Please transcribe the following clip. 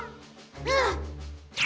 うん！